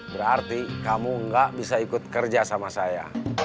berarti kamu gak bisa ikut kerja sama saya